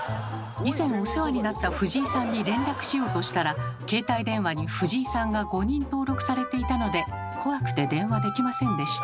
以前お世話になったフジイさんに連絡しようとしたら携帯電話にフジイさんが５人登録されていたので怖くて電話できませんでした。